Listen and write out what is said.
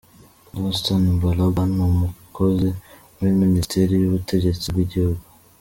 Dunstan Balaba, ni umukozi muri Minisiteri y’ubutegetsi bw’igihugu.